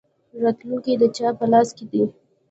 راتلونکی د چا په لاس کې دی؟